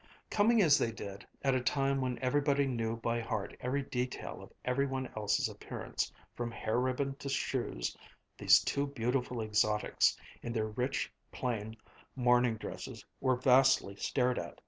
Coming, as they did, at a time when everybody knew by heart every detail of every one else's appearance from hair ribbon to shoes, these two beautiful exotics, in their rich, plain, mourning dresses were vastly stared at.